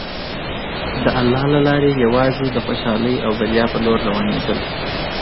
د الله له لارې یوازې د خوشحالۍ او بریا په لور روانېدل.